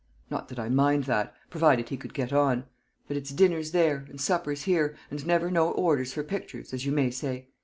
Not that I mind that, provided he could get on; but it's dinners there, and suppers here, and never no orders for pictures, as you may say.